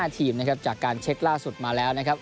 ทีมนะครับจากการเช็คล่าสุดมาแล้วนะครับ